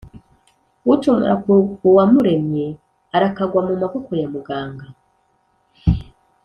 ucumura ku Uwamuremye, arakagwa mu maboko ya muganga!